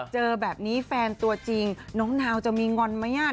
เจอแบบนี้แฟนตัวจริงน้องนาวจะมีงอนไหมอ่ะ